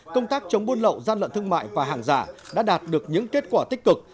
công tác chống buôn lậu gian lận thương mại và hàng giả đã đạt được những kết quả tích cực